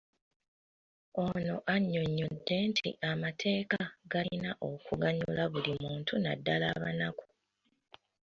Ono annyonnyodde nti amateeka galina okuganyula buli muntu naddala abanaku